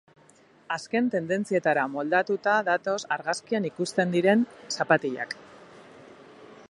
Azken tendentzietara moldatuta datoz argazkian ikusten diren zapatilak.